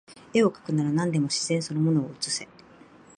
画をかくなら何でも自然その物を写せ